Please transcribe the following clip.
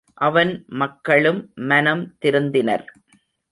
அவன் மக்களும் மனம் திருந்தினர்.